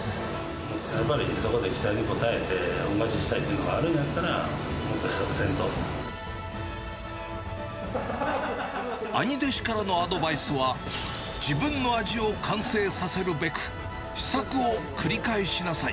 やっぱり、そこで期待に応えて、恩返ししたいっていうのがあるんだったら、兄弟子からのアドバイスは、自分の味を完成させるべく、試作を繰り返しなさい。